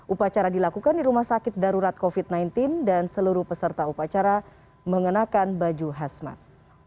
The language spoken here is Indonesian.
upacara dilakukan di rumah sakit darurat covid sembilan belas dan seluruh peserta upacara mengenakan baju hasmat